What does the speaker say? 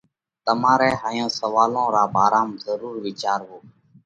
تو تمارئہ ھائيون سوئالون را ڀارام ضرور وِيچاروو۔